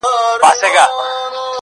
چي په خیال کي میکدې او خُمان وینم,